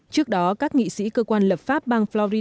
trước đó các nghị sĩ cơ quan lập pháp bang florin